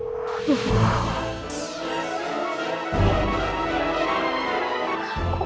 tapi itu anak